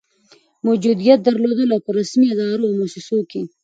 موجودیت درلود، او په رسمي ادارو او مؤسسو کي